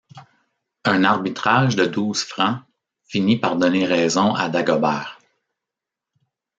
Un arbitrage de douze Francs finit par donner raison à Dagobert.